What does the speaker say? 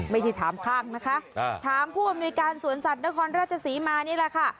ไม่ใช่ถามข้างนะคะถามผู้อำนวยการสวนสัตว์นครราชศรีมานี่แหละค่ะ